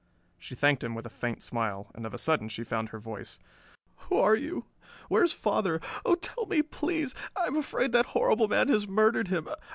She thanked him with a faint smile, and of a sudden she found her voice. "Who are you? Where is father? Oh, tell me, please! I am afraid that horrible man has murdered him.